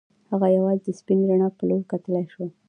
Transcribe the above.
هغه یوازې د سپینې رڼا په لور کتلای شوای